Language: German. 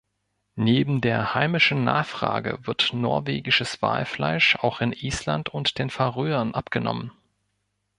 Neben der heimischen Nachfrage wird norwegisches Walfleisch auch in Island und den Färöern abgenommen.